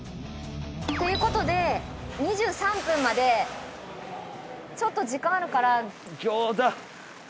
っていうことで２３分までちょっと時間あるから。